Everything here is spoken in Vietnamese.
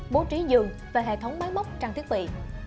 bố trí dường và hệ thống máy bóc trang thiết bị